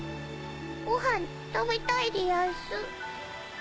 ご飯食べたいでやんす。